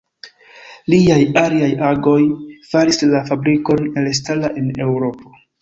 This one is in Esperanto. Liaj aliaj agoj faris la fabrikon elstara en Eŭropo.